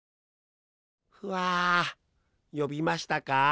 ふあよびましたか？